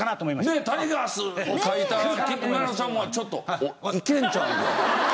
ねえタイガースを書いたきみまろさんもちょっと「おっいけるんちゃうか？」。